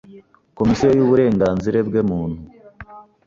Komisiyo y’Uburengenzire bwe Muntu